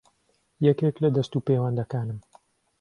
یەکێک لە دەستوپێوەندەکانم